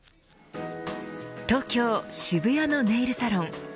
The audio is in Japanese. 東京、渋谷のネイルサロン。